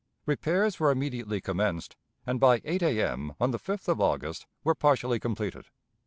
Repairs were immediately commenced, and, by 8 A.M. on the 5th of August, were partially completed.